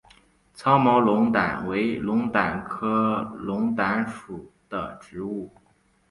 糙毛龙胆为龙胆科龙胆属的植物。